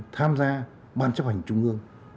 tham gia ban chấp hành trung ương